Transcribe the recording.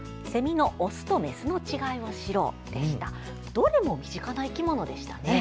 どれも身近な生き物でしたね。